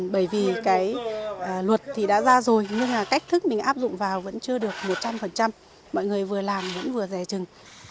bởi vì luật đã ra rồi nhưng cách thức mình áp dụng vào vẫn chưa được một trăm linh mọi người vừa làm vẫn vừa rè chừng